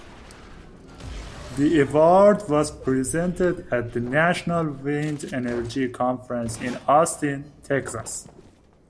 The award was presented at the National Wind Energy Conference in Austin, Texas.